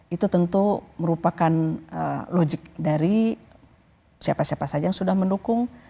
itu tentu merupakan logik dari siapa siapa saja yang sudah mendukung